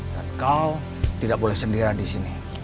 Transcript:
dan kau tidak boleh sendirian di sini